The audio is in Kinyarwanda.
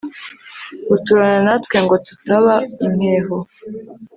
uturana natwe ngo tutaba inkeho